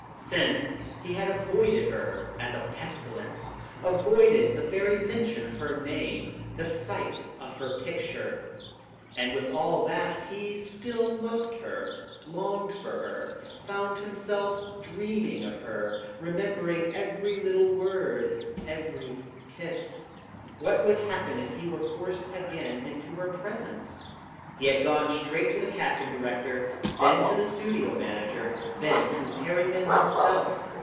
Since, he had avoided her as a pestilence. Avoided the mention of her name, the sight of her picture. And with all that, he still loved her, longed for her. Found himself dreaming of her, remembering every little word, every kiss. What would happen if he were forced again into her presence? He had gone straight to the casting director, then to the studio manager, then to Harriman himself.